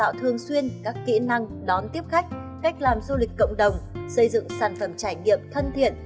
đào tạo thường xuyên các kỹ năng đón tiếp khách cách làm du lịch cộng đồng xây dựng sản phẩm trải nghiệm thân thiện